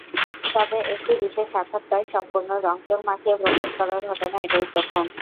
তবে একটি বিশেষ সাক্ষাৎকার সম্পূর্ণ রংচং মাখিয়ে প্রকাশ করার ঘটনা এটাই প্রথম।